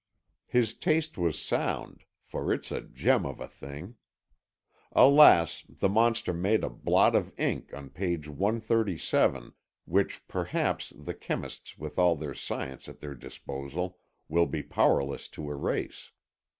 His taste was sound, for it's a gem of a thing. Alas! the monster made a blot of ink on page 137 which perhaps the chemists with all the science at their disposal will be powerless to erase."